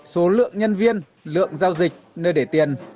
số lượng nhân viên lượng giao dịch nơi để tiền